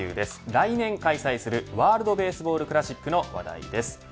来年開催するワールドベースボールクラシックの話題です。